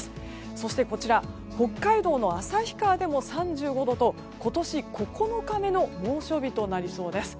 そして北海道の旭川でも３５度と、今年９日目の猛暑日となりそうです。